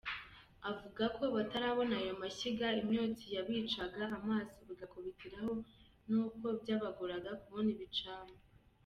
Avuga ko batarabona ayo mashyiga, imyotsi yabicaga amaso bigakubitiraho n’uko byabagoraga kubona ibicanwa.